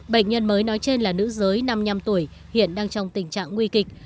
bệnh nhân mới nói trên là nữ giới năm mươi năm tuổi hiện đang trong tình trạng nguy kịch